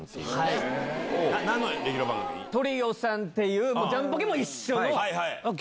『トリオさん』っていうジャンポケも一緒の。